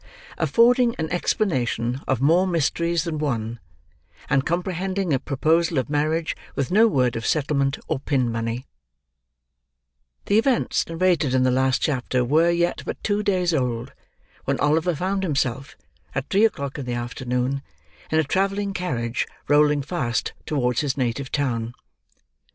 AFFORDING AN EXPLANATION OF MORE MYSTERIES THAN ONE, AND COMPREHENDING A PROPOSAL OF MARRIAGE WITH NO WORD OF SETTLEMENT OR PIN MONEY The events narrated in the last chapter were yet but two days old, when Oliver found himself, at three o'clock in the afternoon, in a travelling carriage rolling fast towards his native town.